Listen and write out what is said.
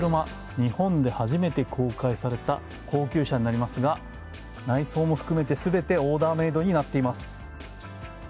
日本で初めて公開された高級車になりますが内装も含めて全てオーダーメードになっています。